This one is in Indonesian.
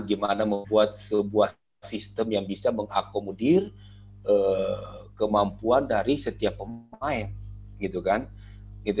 gimana membuat sebuah sistem yang bisa mengakomodir kemampuan dari setiap pemain gitu kan